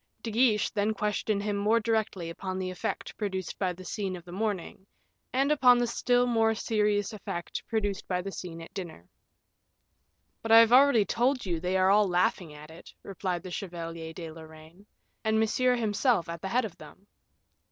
De Guiche then questioned him more directly upon the effect produced by the scene of the morning, and upon the still more serious effect produced by the scene at dinner. "But I have already told you they are all laughing at it," replied the Chevalier de Lorraine, "and Monsieur himself at the head of them."